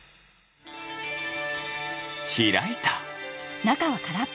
ひらいた。